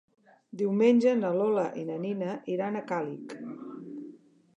Diumenge na Lola i na Nina iran a Càlig.